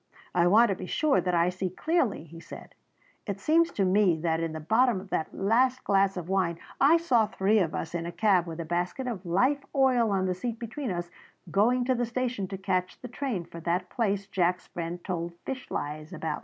"I want to be sure that I see clearly," he said; "it seems to me that in the bottom of that last glass of wine I saw three of us in a cab with a basket of life oil on the seat between us going to the station to catch the train for that place Jack's friend told fish lies about."